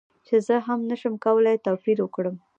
چې زه هم نشم کولی توپیر وکړم